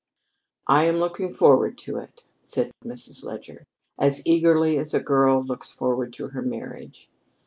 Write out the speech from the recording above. "I am looking forward to it," said Mrs. Leger, "as eagerly as a girl looks forward to her marriage.